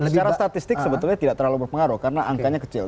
secara statistik sebetulnya tidak terlalu berpengaruh karena angkanya kecil